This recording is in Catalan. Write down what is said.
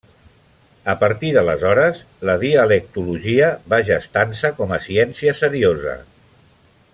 A partir d'aleshores, la dialectologia va gestant-se com a ciència seriosa.